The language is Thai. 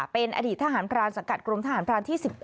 เป็นอดีตทหารพรานสังกัดกรมทหารพรานที่๑๑